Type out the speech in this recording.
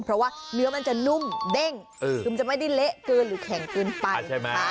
เพราะว่าเนื้อมันจะนุ่มเด้งคือมันจะไม่ได้เละเกินหรือแข็งเกินไปใช่ไหม